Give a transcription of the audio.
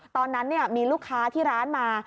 ตอนนั้นมีลูกค้าที่ร้านมา